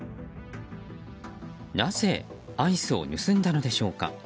なぜアイスを盗んだのでしょうか。